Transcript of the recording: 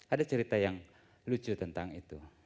ada cerita yang lucu tentang itu